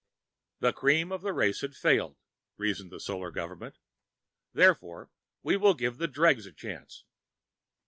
The cream of the race had failed, reasoned the Solar Government, therefore, we will give the dregs a chance.